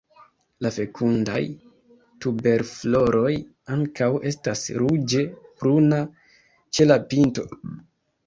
La fekundaj tuberfloroj ankaŭ estas ruĝe bruna ĉe la pinto.